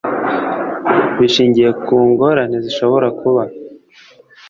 Bushingiye Ku Ngorane Zishobora Kuba